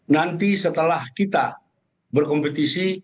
nanti setelah kita berkompetisi